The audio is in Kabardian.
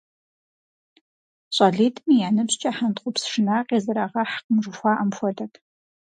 ЩӀалитӀми я ныбжькӀэ хьэнтхъупс шынакъи зэрагъэхькъым жыхуаӀэм хуэдэт.